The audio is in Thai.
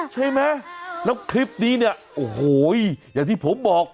ใช่ไหมแล้วคลิปนี้เนี่ยโอ้โหอย่างที่ผมบอก